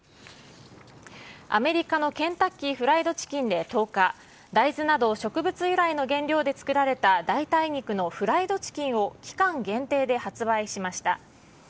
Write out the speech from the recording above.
アメリカのケンタッキーフライドチキンで１０日、大豆など、植物由来の原料で作られた代替肉のフライドチキンを期間限定で発売しました。